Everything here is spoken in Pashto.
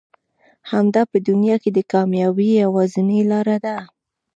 همدا په دنيا کې د کاميابي يوازنۍ لاره ده.